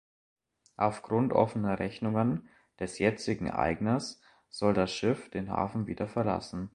Aufgrund offener Rechnungen des jetzigen Eigners soll das Schiff den Hafen wieder verlassen.